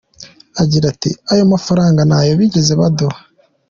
Agira ati « Ayo mafaranga ntayo bigeze baduha.